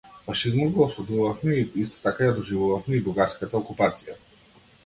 Фашизмот го осудувавме и исто така ја доживувавме и бугарската окупација.